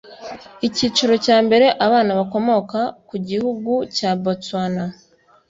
icyiciro cya mbere abana bakomoka ku gihugucya botswana